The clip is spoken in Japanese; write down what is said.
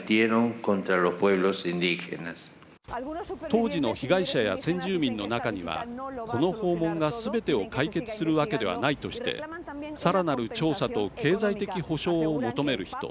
当時の被害者や先住民の中にはこの訪問が、すべてを解決するわけではないとしてさらなる調査と経済的補償を求める人。